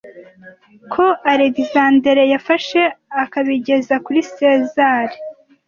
ko alegizandere yafashe akabigeza kuri sezari